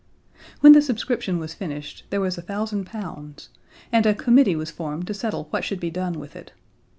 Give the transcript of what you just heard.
When the subscription was finished there was a thousand pounds, and a committee was formed to settle what should be done with it.